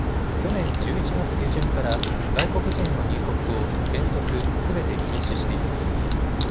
去年１１月下旬から外国人の入国を原則すべて禁止しています。